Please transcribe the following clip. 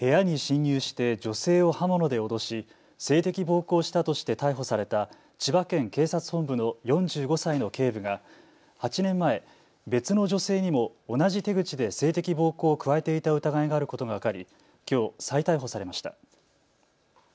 部屋に侵入して女性を刃物で脅し性的暴行をしたとして逮捕された千葉県警察本部の４５歳の警部が８年前、別の女性にも同じ手口で性的暴行を加えていた疑いがあることが分かり、きょう再逮捕されました。